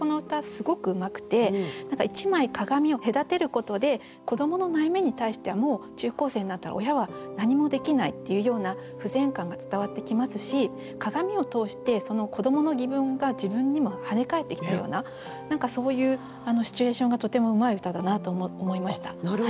すごくうまくて何か１枚鏡を隔てることで子どもの悩みに対しても中高生になったら親は何もできないっていうような不全感が伝わってきますし鏡を通してその子どもの疑問が自分にも跳ね返ってきたような何かそういうシチュエーションがとてもうまい歌だなと思いました。